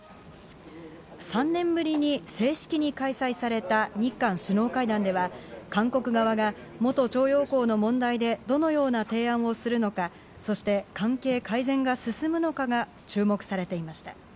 ３年ぶりに正式に開催された日韓首脳会談では、韓国側が元徴用工の問題で、どのような提案をするのか、そして、関係改善が進むのかが注目されていました。